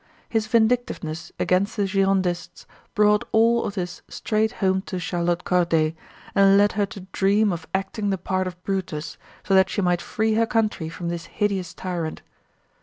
His vindictiveness against the Girondists brought all of this straight home to Charlotte Corday and led her to dream of acting the part of Brutus, so that she might free her country from this hideous tyrant.